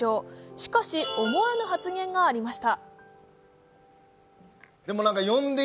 しかし、思わぬ発言がありました。